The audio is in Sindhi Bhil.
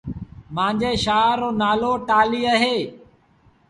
مآݩجي شآهر رو نآلو ٽآلهيٚ اهي